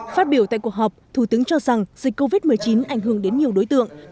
phát biểu tại cuộc họp thủ tướng cho rằng dịch covid một mươi chín ảnh hưởng đến nhiều đối tượng